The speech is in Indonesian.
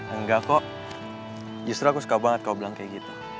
enggak kok justru aku suka banget kau bilang kayak gitu